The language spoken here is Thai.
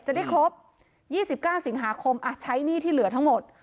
จะได้ครบยี่สิบเก้าสิงหาคมอ่ะใช้หนี้ที่เหลือทั้งหมด